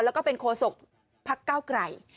และโคลทรกษ์ภักดิ์เกล้าไก่